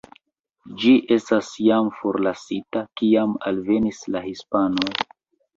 Ĝi estis jam forlasita, kiam alvenis la hispanoj.